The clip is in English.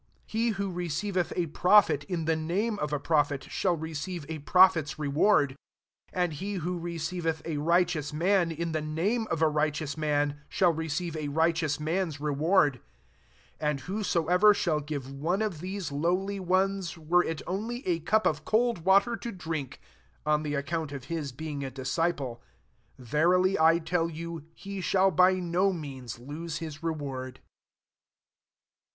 41 He who receiveth a prophet in the name of a prophet* shall re ceive a prophet's reward ; and he who receiveth a righteous man in the name of a righteous mao^ shall receive a righteous man's reward. 42 And whoso ever shall give one of these lowly ones, were it only a cup of cold water to drink, on the account of his heing a disciple, verily I tell you, he shall bj ik> means lose his reward."